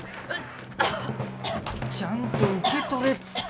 ちゃんと受け取れっつったろ？